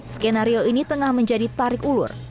skenario ini tengah menjadi tarik ulur